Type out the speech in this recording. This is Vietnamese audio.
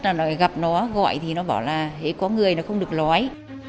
thấp nhất là gặp nó gọi thì nó bảo là có người nó không được loáy